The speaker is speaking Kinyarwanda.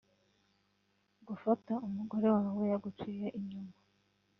gufata umugore wawe yaguciye inyuma